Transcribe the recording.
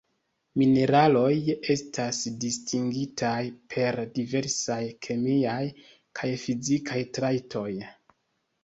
Mineraloj estas distingitaj per diversaj kemiaj kaj fizikaj trajtoj.